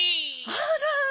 あら。